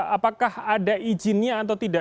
apakah ada izinnya atau tidak